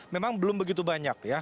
memang belum begitu banyak ya